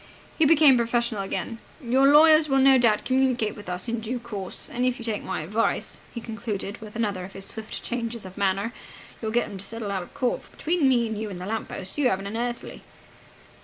He became professional again. "Your lawyers will no doubt communicate with us in due course. And, if you take my advice," he concluded, with another of his swift changes of manner, "you'll get 'em to settle out of court, for, between me and you and the lamp post, you haven't an earthly!"